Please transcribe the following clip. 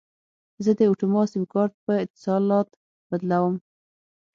زه د اټوما سیم کارت په اتصالات بدلوم.